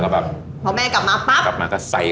ไม่ได้คิดอะไร